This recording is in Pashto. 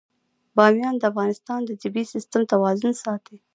بامیان د افغانستان د طبعي سیسټم توازن ساتي.